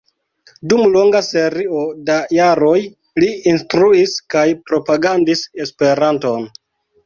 Dum longa serio da jaroj li instruis kaj propagandis Esperanton.